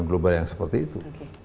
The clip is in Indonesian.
global yang seperti itu